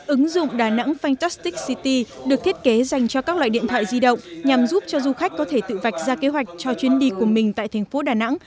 ứng dụng đà nẵng fantastic city được thiết kế dành cho các loại điện thoại di động nhằm giúp cho du khách có thể tự vạch ra kế hoạch cho chuyến đi của mình tại thành phố đà nẵng